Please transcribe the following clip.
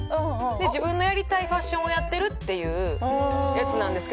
自分のやりたいファッションをやってるっていうやつなんですけど。